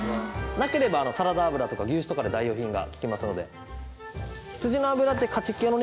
なければサラダ油とか牛脂とかで代用品が利きますので。